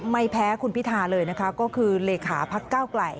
ไม่แพ้คุณพิธาเลยนะคะก็คือเลขาพักเก้าไกล